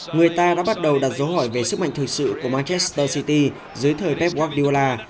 người ta đã bắt đầu đặt dấu hỏi về sức mạnh thực sự của maches city dưới thời pep gardiola